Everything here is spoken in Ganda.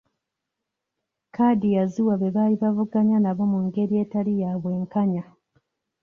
Kkaadi yaziwa be baali bavuganya nabo mu ngeri etali ya bwenkanya.